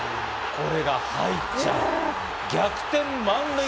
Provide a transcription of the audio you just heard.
これが入っちゃう。